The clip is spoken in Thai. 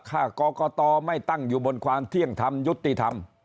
ถ้ากรกตไม่ตั้งอยู่บนความเที่ยงธรรมยุติธรรม